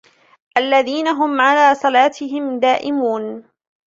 الذين هم على صلاتهم دائمون